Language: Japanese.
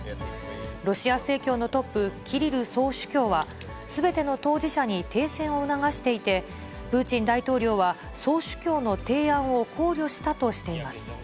ロシア正教のトップ、キリル総主教は、すべての当事者に停戦を促していて、プーチン大統領は総主教の提案を考慮したとしています。